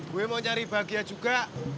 gue mau nyari bahagia juga